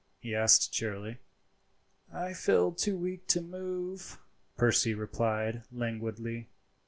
he asked cheerily. "I feel too weak to move," Percy replied languidly.